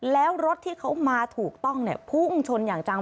แล้วรถที่เขามาถูกต้องเนี่ยพุ่งชนอย่างจัง